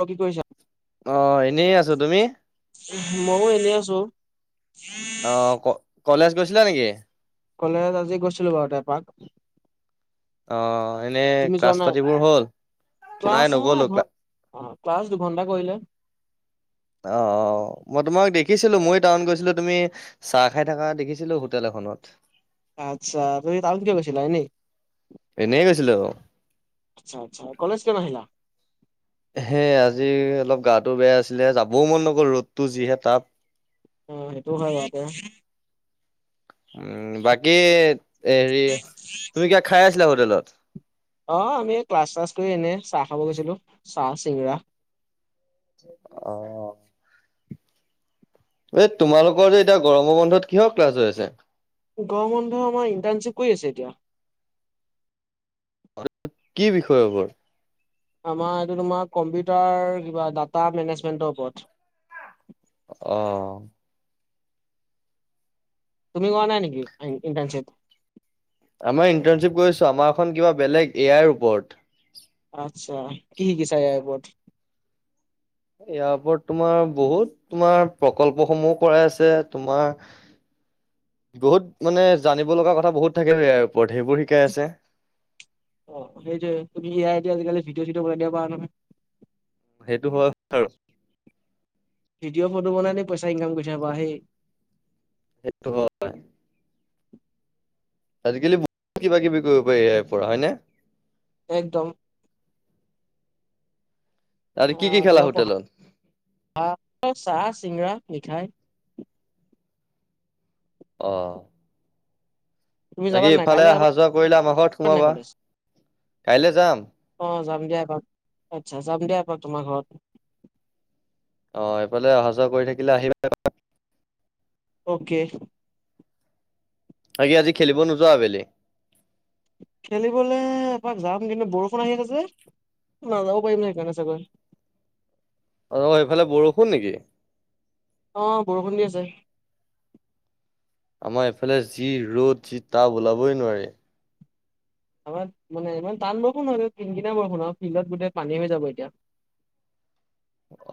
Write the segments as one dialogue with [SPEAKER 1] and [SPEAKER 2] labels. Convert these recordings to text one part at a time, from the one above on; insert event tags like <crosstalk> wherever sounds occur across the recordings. [SPEAKER 1] তই কি কৰিছ?
[SPEAKER 2] অ' এনেই আছোঁ। তুমি?
[SPEAKER 1] ময়ো এনে আছোঁ।
[SPEAKER 2] আ, ক-কলেজ গৈছিলা নেকি?
[SPEAKER 1] কলেজ আজি গৈছিলোঁ বাৰুতে এপাক।
[SPEAKER 2] অ' এনে
[SPEAKER 1] তুমি যোৱা
[SPEAKER 2] ক্লাছ
[SPEAKER 1] নাই?
[SPEAKER 2] পাতিবোৰ হ'ল
[SPEAKER 1] ক্লাছ
[SPEAKER 2] নাই
[SPEAKER 1] নহয়
[SPEAKER 2] নগ'লো
[SPEAKER 1] এঘন
[SPEAKER 2] ক্লা
[SPEAKER 1] অ' ক্লছ দুঘণ্টা কৰিলে।
[SPEAKER 2] অ', অ' মই তোমাক দেখিছিলোঁ, মই টাউন গৈছিলোঁ তুমি চাহ খাই থকা দেখিছিলোঁ হোটেল এখনত।
[SPEAKER 1] আচ্ছা, তুমি টাউন কিয় গৈছিলা এনেই?
[SPEAKER 2] এনেই গৈছিলোঁ।
[SPEAKER 1] আচ্ছা আচ্ছা। কলেজ কিয় নাহিলা?
[SPEAKER 2] হে, আজি অলপ গাটো বেয়া আছিলে, যাবও মন নগ'ল ৰ'দতো যিহে তাপ।
[SPEAKER 1] অ' সেইটো হয় বাৰুতে।
[SPEAKER 2] উম, বাকী হেৰি, তুমি কিবা খাই আছিলা হোটেলত?
[SPEAKER 1] অ' আমি ক্লাছ চাছ কৰি এনে চাহ খাব গৈছিলোঁ। চাহ চিঙৰা।
[SPEAKER 2] অ'। এই তোমালোকৰ যে এতিয়া গৰমৰ বন্ধত কিহৰ ক্লাছ হৈ আছে?
[SPEAKER 1] গৰম বন্ধ আমাৰ ইণ্টাৰ্ণচিপ কৰি আছোঁ এতিয়া।
[SPEAKER 2] কি বিষয়ৰ ওপৰত?
[SPEAKER 1] আমাৰ এইটো তোমাৰ কম্পিউটাৰ কিবা ডাটা মেনেজমেন্টৰ ওপৰত।
[SPEAKER 2] অ'।
[SPEAKER 1] তুমি কৰা নাই নেকি ইণ্টাৰ্ণচিপ?
[SPEAKER 2] আমাৰ ইণ্টাৰ্ণশ্বিপ কৰিছোঁ, আমাৰখন কিবা বেলেগ এ আইৰ ওপৰত।
[SPEAKER 1] আচ্ছা। কি শিকিছা ইয়াৰ ওপৰত?
[SPEAKER 2] ইয়াৰ ওপৰত তোমাৰ বহুত, তোমাৰ প্ৰকল্পসমূহ কৰাই আছে, তোমাৰ বহুত মানে জানিব লগা কথা বহুত থাকে ইয়াৰ ওপৰত সেইবোৰ শিকাই আছে
[SPEAKER 1] অ সেইটো তুমি এতিয়া আজিকালি ভিডিঅ চিডঅ কৰা দিয়া প নহয়
[SPEAKER 2] সেইটো হ আৰু
[SPEAKER 1] ভিডিঅ ফটো বনাই ন পইচা ইকাম কৰি থ বাা সেই
[SPEAKER 2] সেইটো হয় আজিকালি বহুত কিবা কিবি কৰিব পাৰি ইয়াৰ পৰা হয় ন
[SPEAKER 1] একদম
[SPEAKER 2] আৰু কি
[SPEAKER 1] অ
[SPEAKER 2] কি খেলা
[SPEAKER 1] তোমাৰ প
[SPEAKER 2] হোটেলত?
[SPEAKER 1] চাহ চিঙৰা মিঠাই
[SPEAKER 2] অ
[SPEAKER 1] তুমি যাবা
[SPEAKER 2] লাকি
[SPEAKER 1] নাই
[SPEAKER 2] ইফালে
[SPEAKER 1] কাইলৈ যাবা
[SPEAKER 2] অহা যোৱা কৰিলা আমাৰ ঘৰত
[SPEAKER 1] নাই
[SPEAKER 2] সোমাবা
[SPEAKER 1] কলেজ
[SPEAKER 2] কাইলৈ যাম
[SPEAKER 1] অ যাম দিয়াপাক আচ্ছা যাম দিয়াপাক তোমাৰ ঘৰত
[SPEAKER 2] অ এইফালে অহা যোৱা কৰি থাকিলে আহিবা
[SPEAKER 1] অ'কে
[SPEAKER 2] আগিে আজি খেলিব নোযোৱা আবেলি
[SPEAKER 1] খেলিবলে এপাক যাম কিন্তু বৰষুণ আহি আছে যে নাযাব পাৰিম ন সেইকাৰণে চাগৈ
[SPEAKER 2] অ সেইফালে বৰষুণ নেকি
[SPEAKER 1] অ বৰষুণ দি আছে
[SPEAKER 2] আমাৰ এইফালে যি ৰ'দ যি তাহ ওলাবই নোৱাৰে
[SPEAKER 1] আমাৰ মানে ইমান টান বৰষু ন হয় তিিনকেইনা বৰষুণ আৰু ফিল্ডত গোটেই পানী হৈ যাব এতিয়া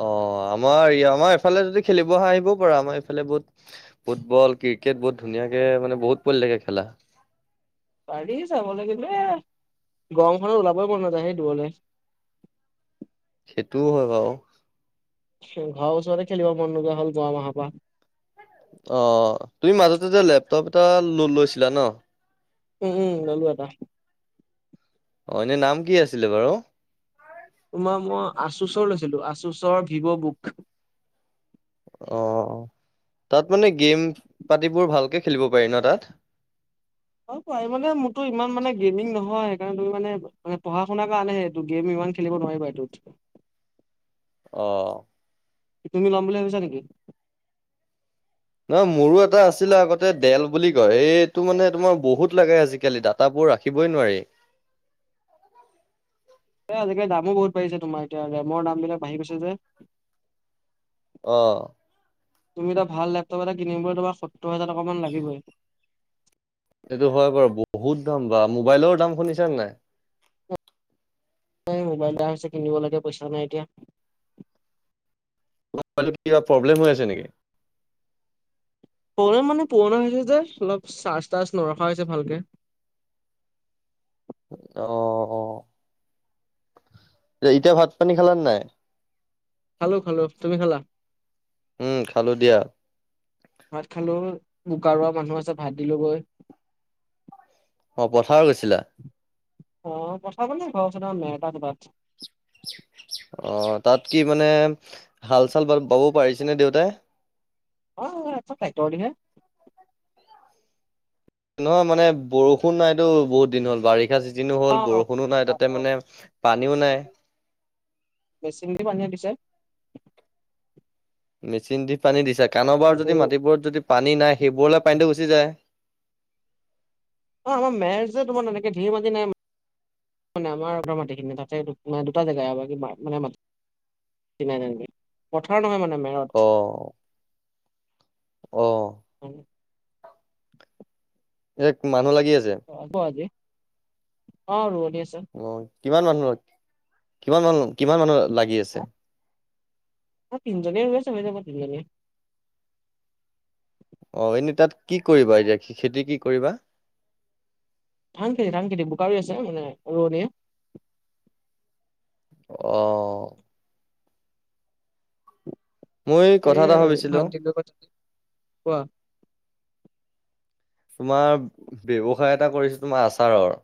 [SPEAKER 2] অ আমাৰ আমাৰ এইফালে যদি খেলিব আহিবও পাৰা আমাৰ এইফালে বহুত ফুটবল ক্ৰিকেট বহুত ধুনীয়াকে মানে বহুত পৰি থাকে খেলা
[SPEAKER 1] পাৰি চাবলৈ কিন্তলে গৰমখনত ওলাবই মন নাযায় সেই দূৰলৈ
[SPEAKER 2] সেইটোও হয় বাৰু
[SPEAKER 1] ঘৰ ওচৰৰে খেলিব মন নোযোৱা হ'ল গোৱা মাহৰ পৰা
[SPEAKER 2] অ তুমি মাজতে যে লেপটপ এটা ল লৈছিলা ন
[SPEAKER 1] উম উম ল'লো এটা
[SPEAKER 2] অ এনে নাম কি আছিলে বাৰু
[SPEAKER 1] তোমাৰ মই আচুচৰ লৈছিলো আচুচৰ ভিভ বুক
[SPEAKER 2] অ তাত মানে গেম পাতিবোৰ ভালকে খেলিব পাৰি ন তাত
[SPEAKER 1] অ প মানে মোৰতো ইমান মানে গেমিং নহয় সেইকাৰণে তুম মানেে পঢ়া শুনা কৰা আনেহে ত গেম ইমান খেলিব নোৱাৰি বাইদউত
[SPEAKER 2] অ
[SPEAKER 1] তুমি ল'ম বুলি ভাবছা নেকি
[SPEAKER 2] নহ মোৰো এটা আছিলে আগতে ডেল বুলি কয় এইটো মানে তোমাৰ বহুত লাগে আজিকালি তাত কটাবোৰ ৰাখিবই নোৱাৰি
[SPEAKER 1] এ আজিকালি দামো বহুত পঢিছে তোমাৰ এতিয়া ৰেমৰ দাম বিলাক বাঢ়ি গৈছে যে
[SPEAKER 2] অ
[SPEAKER 1] তুমি এটা ভাল লেপটপ এটা কিনিব তোমাৰ সত্ত হাজ টকা মান লাগিবই
[SPEAKER 2] এইটো হয় বাৰু বহুত দাম বা মোবাইলৰ দাম শুনিছনেে নাই
[SPEAKER 1] মোবাইল এটা হৈছে কিনিব লাগে পইচা নাই এতিয়া
[SPEAKER 2] কিবা প্ৰব্লেম হৈ আছে নেকি
[SPEAKER 1] প্ৰবলেম মানে পুৰণা হৈছে যে অলপ চাৰ্জ তাৰ্জ নৰখা হৈছে ভালকে
[SPEAKER 2] অ অ এতিয়া ভাত পানী খালান নাই
[SPEAKER 1] খেলো খালো তুমি খেলা
[SPEAKER 2] উম খালো দিয়া
[SPEAKER 1] ভাত খালো বোকাা মানুহ আছে ভাত দিলো গৈ
[SPEAKER 2] অ পথাৰ গৈছিলা
[SPEAKER 1] অ পঠালে ঘ ম ত বাৰ
[SPEAKER 2] অ তাত কি মানে হাল চাল বাবও পাৰিছেনে দেউতাই
[SPEAKER 1] অ' তাই তিহে <unintelligible>
[SPEAKER 2] উ <unintelligible> নহয় মানে বৰষুণ নাইতো বহুত দিন হ'ল বাৰিষ শ্ষা চিতিনো হ'ল
[SPEAKER 1] অ',
[SPEAKER 2] বৰষুণো নাই তাতে মানে পানীও নাই।
[SPEAKER 1] বেছিণ্ পনীয়া ডিছে।
[SPEAKER 2] মেচিন দি পানী দিছে কাবাৰ
[SPEAKER 1] আজি
[SPEAKER 2] যদি মাটিবোৰত যদি পানী নাই সেইবোৰলৈ পানীটো গুচি যায়।
[SPEAKER 1] অ' আৰ মেজ যে তোমাৰ এনেকে ধঢিৰ মাতি নাই। মানে আমাৰ আ মাটিখিনি তাতে দুটা জেগা আ মানে মাটি চ পথাৰ নহয় মানে মেৰত।
[SPEAKER 2] অ', অ'
[SPEAKER 1] অ'।
[SPEAKER 2] এক মানুহ লাগি আছে?
[SPEAKER 1] অজি অ' আছে।
[SPEAKER 2] অ' কিমান মানুহৰ কিমান মানু কিমান মানুহ লাগি আছে?
[SPEAKER 1] অ' তিনিনে ৰৰুৈ চ হৈ যাব তিজননে।
[SPEAKER 2] অ' এনে তাত কি কৰিবা এতিয়া খেতি কি কৰিবা?
[SPEAKER 1] ধান খেতি ধান খেতি বোকাৰী আছোনে উ ৰোৱণীয়ে।
[SPEAKER 2] অ' মই কথা
[SPEAKER 1] এইয়
[SPEAKER 2] এটা
[SPEAKER 1] আৰু
[SPEAKER 2] ভাবিছিলো
[SPEAKER 1] ভাত দিল কথা কোৱা?
[SPEAKER 2] তোমাৰ ব্য্ৱসায় এটা কৰিছো তোমাৰ আচাৰৰ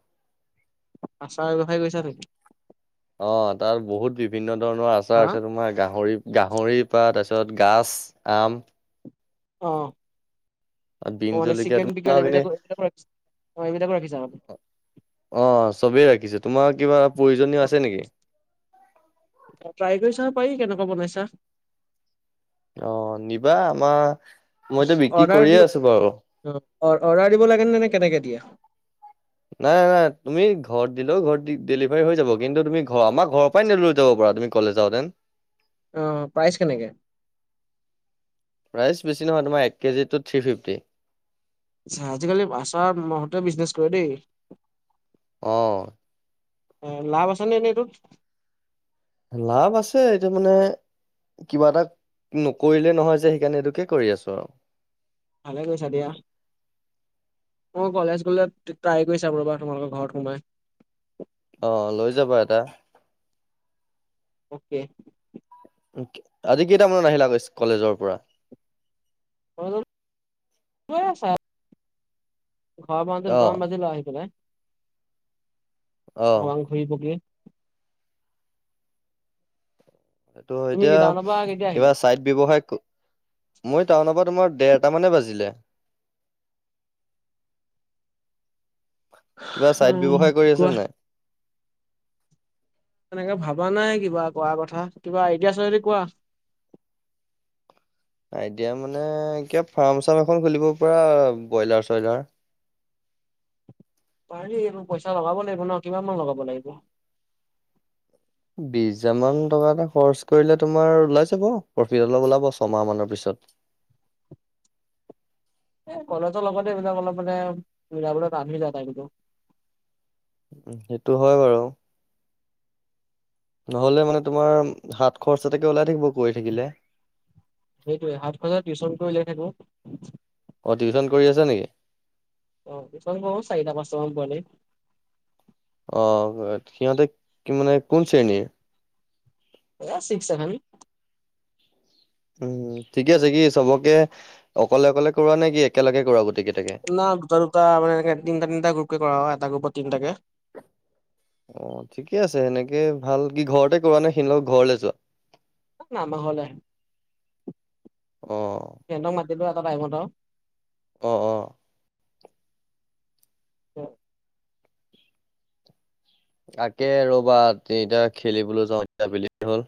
[SPEAKER 1] আচাৰ ব্যৱসায় কৰিছা তে
[SPEAKER 2] অ' তাত বহুত বিভিন্ন ধৰণৰ আচাৰ
[SPEAKER 1] হা
[SPEAKER 2] আছে তোমাৰ গাহৰি গাহৰিৰ পৰা তাৰপিছত গাজ আম
[SPEAKER 1] অ'।
[SPEAKER 2] বিন
[SPEAKER 1] অ' মান
[SPEAKER 2] জলকীয়া
[SPEAKER 1] চিকেন বিাল
[SPEAKER 2] তোমাৰ এনে
[SPEAKER 1] এইবিলাকো এইবাক এইবিলাকো ৰাখিছা মানে।
[SPEAKER 2] অ' চবেই ৰাখিছেো তোমাৰ কিবা প্ৰয়োজনীয় আছে নেকি?
[SPEAKER 1] ট্ৰাই কৰিছা পাৰি কেনেকুৱা বনাইছা।
[SPEAKER 2] অ' নিবা আমাৰ মইতো বিক্ৰী
[SPEAKER 1] অৰ্ডাৰ দি
[SPEAKER 2] কৰিয়ে আছো বাৰু।
[SPEAKER 1] অ', অ', অৰ্ডাৰ দিব লাগে নে নে কেনেকে দিয়া?
[SPEAKER 2] নাই নাই তুমি ঘৰত দিলেও ঘৰত ডেলিভাৰী হৈ যাব কিন্তু তুমি ঘৰ আমাৰ ঘৰ উপাই ননে লৈ যাবাৰু তুম কলেজােতেন।
[SPEAKER 1] অ' প্ৰাইচ কেনেকে?
[SPEAKER 2] প্ৰাইচ বেছি নহয় তোমাৰ কেজিতটো থ্ৰী ফিফটি।
[SPEAKER 1] আ আজিকালি আচাৰ মতে বিজনেছ কৰে দেই।
[SPEAKER 2] অ'।
[SPEAKER 1] অ' লাভ আছ নাই নাইটোত?
[SPEAKER 2] লাভ আছে এইটো মানে কিবা এটা নকৰিলে নহয় যে সেইকাৰণে এইটোকে কৰি আছো আৰু।
[SPEAKER 1] ভালে গৈছে দিয়া। অই কলেজ গলে ট্ৰাই কৰি চা ৰবা তোমালোকৰ ঘৰত সোমাই।
[SPEAKER 2] অ' লৈ যাব এটা।
[SPEAKER 1] অ'কে।
[SPEAKER 2] আজি কেইটামানত আহিলা আ কলেজৰ পৰা?
[SPEAKER 1] আছা ঘৰ পতে
[SPEAKER 2] অ
[SPEAKER 1] দুটামান বাজি লৈ আহি পেলাই।
[SPEAKER 2] অ
[SPEAKER 1] অকমান ঘূৰি পকি।
[SPEAKER 2] এইটো
[SPEAKER 1] তুমি
[SPEAKER 2] এতিয়া
[SPEAKER 1] কি টাউনৰ পৰা কেতিয়া
[SPEAKER 2] কিবা
[SPEAKER 1] আহিলা?
[SPEAKER 2] আ ছাইট ব্যৱসায় মই টাউনৰ পৰা তোমাৰ দেৰটা মানে বাজিলে। কিবা চাইড ব্যৱসায় কৰি
[SPEAKER 1] অ'
[SPEAKER 2] আছে
[SPEAKER 1] কোৱা?
[SPEAKER 2] নাই
[SPEAKER 1] এনেকে ভবা নাই কিবা ক কথা কিবা এইডিয়া আছে যদি কোৱা।
[SPEAKER 2] এইতিয়া মানে কিয় ফাৰ্ম চাৰ্ম এখন খুলিব পৰা ব্ৰইলাৰ চইলাৰ।
[SPEAKER 1] পাৰি পইচা লগাব লাগিব ন কিমান মান লগাব লাগিব?
[SPEAKER 2] বিশ হাজাৰ মান টকা এটা খৰচ কৰিলে তোমাৰ ওলাই যাব প্ৰফিট অলপ ওলাব ছমাহ মানৰ পিছত।
[SPEAKER 1] এ কলেজৰ লগতে এইবিলাক অলপ মানে বুজাব তানহৈ যাই কিন্তু
[SPEAKER 2] সেইটো হয় বাৰু। নহলে মানে তোমাৰ হাত খৰচতোকে ওলাই থাকিব কৰি থাকিলে।
[SPEAKER 1] সেইটোয়ে হাত খৰছে টিউচন কৰি ওলাই থাকো।
[SPEAKER 2] অ', টিউচন কৰি আছে নেকি?
[SPEAKER 1] অ', চাৰিটা পাছটা মান পোৱালি।
[SPEAKER 2] অ', সিহঁতে কি মানে কোন শ্ৰেণীৰ?
[SPEAKER 1] এ ছিক্স ছেভেন।
[SPEAKER 2] উম ঠিকে আছে কি চবকে অকলে অকলে কৰোৱা নে কি একেলগে কৰা গোটেই কেইটাকে।
[SPEAKER 1] ন দুটা দুটা মে তিনিটা, তিনিটা গ্ৰুপকে কৰা হয় এটা গ্ৰুপত তিনিটাকে।
[SPEAKER 2] অ', ঠিকে আছে সেনেকে ভাল কি ঘৰতে কৰা নে সেইলক ঘৰলে যোৱা?
[SPEAKER 1] না আমাৰ ঘৰলৈ আহে।
[SPEAKER 2] অ'।
[SPEAKER 1] সেন্তক মাতি এটা টাইমত আৰু
[SPEAKER 2] অ', অ'।
[SPEAKER 1] আৰু।
[SPEAKER 2] তাকে ৰবা তিনিতয়া খেলিবলৈ যাওঁ এতিয়া বেলি হ'ল।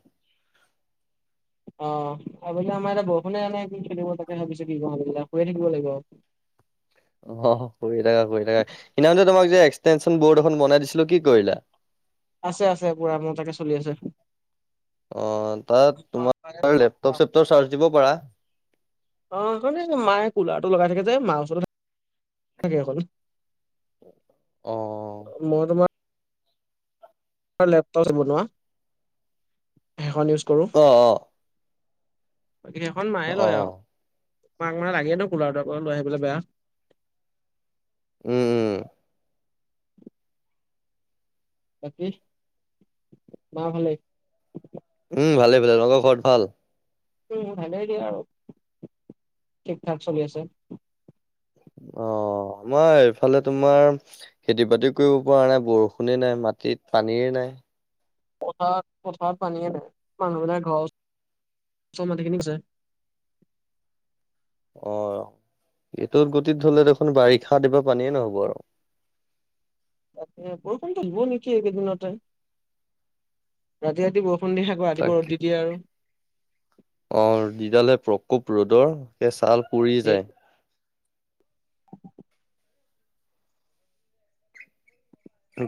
[SPEAKER 1] অ', আবিলে আমাৰ এতিয়া বৰষুণে আনে কি খেলিব তাকে ভাবিছো কি কয়ো শুই থাকিব লাগিব।
[SPEAKER 2] অ', শুই থাকা, থাকা‌ সিদিনা খন তোমাক যে এক্সটেনশ্যন বৰ্ড এখন বনাই দিছিলো কি কৰিলা?
[SPEAKER 1] আছে, আছে পুৰা মোৰ তাকে চলি আছে।
[SPEAKER 2] অ', তাত
[SPEAKER 1] অ।
[SPEAKER 2] তোমাৰ লেপটপ চেপটপ চাৰ্জ দিব পাৰা।
[SPEAKER 1] অ', মানে মায়ে কুলাৰটো লগাই থাকে যে মাৰ ওচৰত তাকে হ'ল।
[SPEAKER 2] অ'।
[SPEAKER 1] মই তোমাৰ লেপটপ বনোৱা সেই খন
[SPEAKER 2] অ', অ'।
[SPEAKER 1] সেইখন মায়ে লয় আৰু
[SPEAKER 2] অ'
[SPEAKER 1] মাক মানে লাগে নো কুলাৰটো লৈ আহিবলৈ বেয়া
[SPEAKER 2] উম। উম,
[SPEAKER 1] বাকী মা ভালে।
[SPEAKER 2] উম, ভালেই ভালে তহঁতৰ ঘৰত ভাল।
[SPEAKER 1] উম ভালেই দিয়া আৰু ঠিক ঠাক চলি আছে।
[SPEAKER 2] অ', আমাৰ এইফালে তোমাৰ খেতি বাতিও কৰিব পৰা নাই বৰষুণেই নাই মাটিত পানীই নাই।
[SPEAKER 1] পথাৰত পথাৰত পানী মানুহবিলাক ঘৰ ওচৰ মাটিখিনিছে।
[SPEAKER 2] অ', এইটোত গতিত হ'লে দেখোন বাৰিষা দিবা পানীয়ে নহব আৰু
[SPEAKER 1] ৰা বৰষুণতো হব নেকি এইকেইদিনতে ৰাতি ৰাতি বৰষুণ দি খাক ৰাতিপুৱ
[SPEAKER 2] তাকে
[SPEAKER 1] ৰ'দ দি দিয়ে আৰু।
[SPEAKER 2] অ', দিডালে প্ৰকোপ ৰ'দৰ সেই ছাল পুৰি
[SPEAKER 1] এই
[SPEAKER 2] যায়।
[SPEAKER 1] কি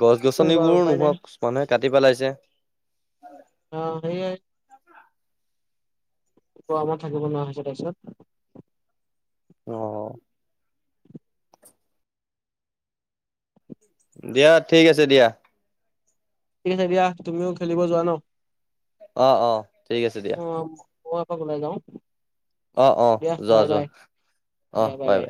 [SPEAKER 2] গছ
[SPEAKER 1] কৰিবা আৰু
[SPEAKER 2] গছনিবোৰো
[SPEAKER 1] উপায় নাই
[SPEAKER 2] নহওক মানুহে কাটি পেলাইছে।
[SPEAKER 1] উম সেয়াই। গৰমত থাকিব নোৱাৰা হৈছে তাৰপিছত
[SPEAKER 2] অ'। দিয়া ঠিক আছে দিয়া।
[SPEAKER 1] ঠিক আছে দিয়া তুমিও খেলিব যোৱা ন।
[SPEAKER 2] অ', অ', ঠিক আছে দিয়া।
[SPEAKER 1] অ মই এপাক ওলাই যাওঁ
[SPEAKER 2] অ', অ',
[SPEAKER 1] দিয়া
[SPEAKER 2] যোৱা
[SPEAKER 1] বাই, বাই
[SPEAKER 2] যোৱা
[SPEAKER 1] দিয়া বাই, বাই।